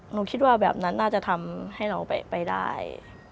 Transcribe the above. หนูคิดว่าแบบนั้นน่าจะทำให้เราไปได้